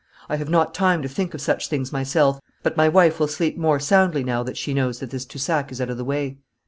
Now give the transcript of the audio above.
I have not time to think of such things myself, but my wife will sleep more soundly now that she knows that this Toussac is out of the way.'